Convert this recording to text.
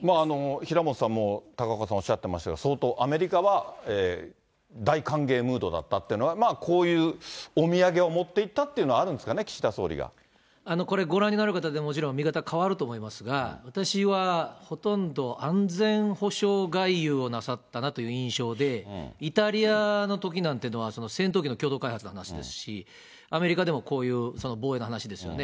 平本さんも高岡さん、おっしゃってましたけど、相当、アメリカは大歓迎ムードだったというのは、こういうお土産を持っていったっていうのはあるんですかね、岸田これ、ご覧になる方でもちろん見方変わると思いますが、私はほとんど安全保障外遊をなさったなという印象で、イタリアのときなんていうのは戦闘機の共同開発の話ですし、アメリカでもこういう防衛の話ですよね。